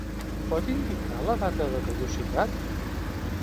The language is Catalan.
Em pot indicar la data de caducitat?